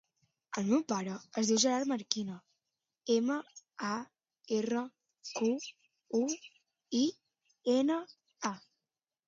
El meu pare es diu Gerard Marquina: ema, a, erra, cu, u, i, ena, a.